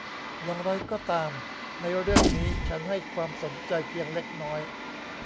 อย่างไรก็ตามในเรื่องนี้ฉันให้ความสนใจเพียงเล็กน้อย